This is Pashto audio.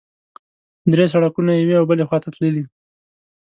درې سړکونه یوې او بلې خوا ته تللي.